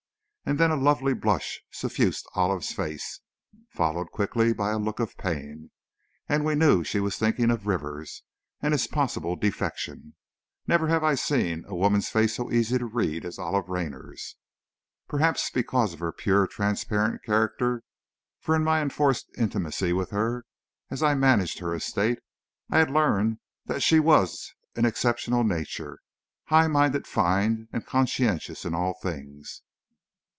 And then a lovely blush suffused Olive's face, followed quickly by a look of pain, and we knew she was thinking of Rivers, and his possible defection. Never have I seen a woman's face so easy to read as Olive Raynor's. Perhaps because of her pure, transparent character, for in my enforced intimacy with her, as I managed her estate, I had learned that she was an exceptional nature, high minded, fine, and conscientious in all things.